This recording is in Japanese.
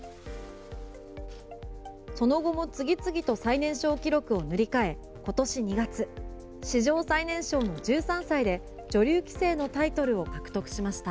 その後も次々と最年少記録を塗り替え今年２月、史上最年少の１３歳で女流棋聖のタイトルを獲得しました。